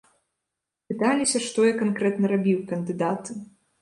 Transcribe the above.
Пыталіся, што я канкрэтна рабіў, кандыдаты.